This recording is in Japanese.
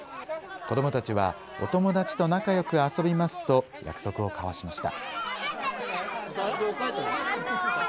子どもたちはお友達と仲よく遊びますと約束を交わしました。